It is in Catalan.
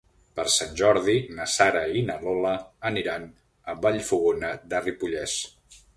Per Sant Jordi na Sara i na Lola aniran a Vallfogona de Ripollès.